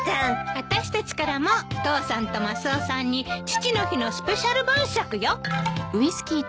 あたしたちからも父さんとマスオさんに父の日のスペシャル晩酌よ。